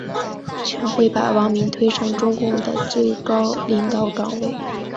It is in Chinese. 全会把王明推上中共的最高领导岗位。